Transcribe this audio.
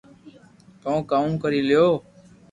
ڪو ڪاو ڪري ليو